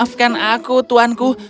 maafkan aku tuanku